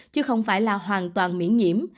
chứ không phải là hoàn toàn miễn nhiễm